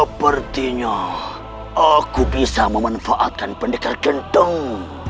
sepertinya aku bisa memanfaatkan pendekar genteng